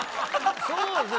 そうですね